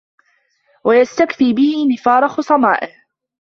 وَيَسْتَكْفِيَ بِهِ نِفَارَ خُصَمَائِهِ